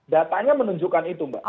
datanya menunjukkan itu mbak